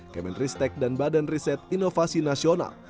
kementerian riset dan teknologi dan badan riset inovasi nasional